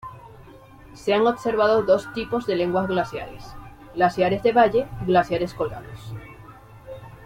Se han observado dos tipos de lenguas glaciares: glaciares de valle y glaciares colgados.